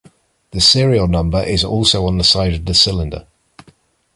This serial number is also on the side of the cylinder.